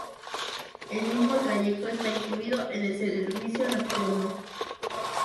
El mismo trayecto está incluido en el servicio nocturno.